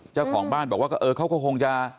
เจ้าของบ้านบอกว่าก็เออเขาก็คงจะ